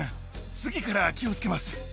次から気をつけます。